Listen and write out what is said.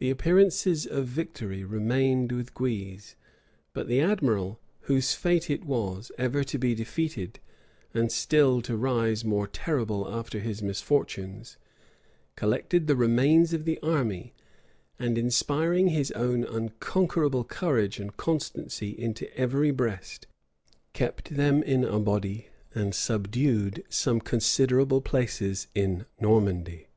The appearances of victory remained with Guise, but the admiral, whose fate it ever was to be defeated, and still to rise more terrible after his misfortunes, collected the remains of the army; and inspiring his own unconquerable courage and constancy into every breast, kept them in a body, and subdued some considerable places in Normandy.